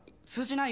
ない